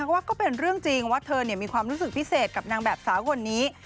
ว่าก็เป็นเรื่องจริงว่าเธอมีความรู้สึกพิเศษกับนางแบบสาวคนนี้